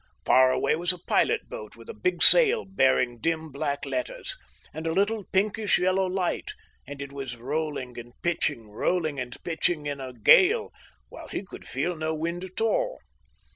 Far away was a pilot boat with a big sail bearing dim black letters, and a little pinkish yellow light, and it was rolling and pitching, rolling and pitching in a gale, while he could feel no wind at, all.